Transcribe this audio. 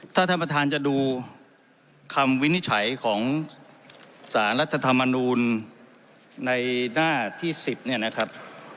ถ้าท่านประธานจะดูคำวินิจฉัยของสารรัฐธรรมนูลในหน้าที่๑๐เนี่ยนะครับ